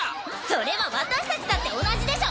それは私たちだって同じでしょ！